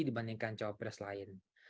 dibandingkan cawapres lain